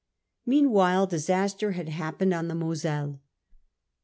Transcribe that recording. Meanwhile disaster had happened on the Moselle.